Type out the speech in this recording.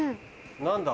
何だ？